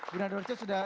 buna dorce sudah